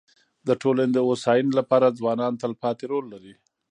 د ټولني د هوسايني لپاره ځوانان تلپاتي رول لري.